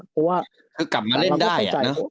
กลับมาเล่นได้